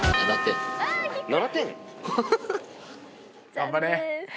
頑張れ。